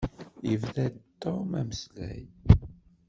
Yebda Tom ameslay.